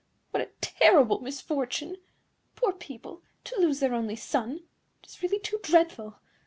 What a terrible misfortune! Poor people, to lose their only son! It is really too dreadful!